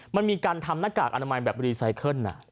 มันมีการทำหน้ากากอนามัยแบบรีไซเคิล